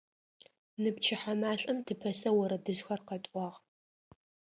Ныпчыхьэ машӀом тыпэсэу орэдыжъхэр къэтӀуагъ.